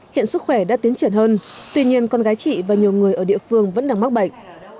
hiện sức khỏe đã tiến triển hơn tuy nhiên con gái chị và nhiều người ở địa phương vẫn đang mắc bệnh